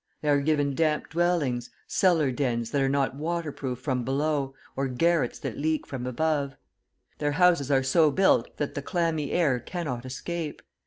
They are given damp dwellings, cellar dens that are not waterproof from below, or garrets that leak from above. Their houses are so built that the clammy air cannot escape.